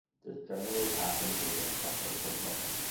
This generally happens within a coupler component.